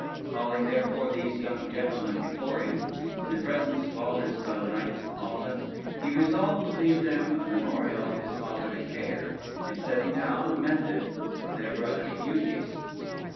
Calling, therefore, these young gentlemen before him, in the presence of all his fellow Knights of Malta, he resolved to leave them a memorial of all his fatherly care in setting down a method of their brotherly duties.